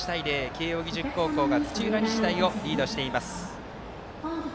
慶応義塾高校が土浦日大をリードしています。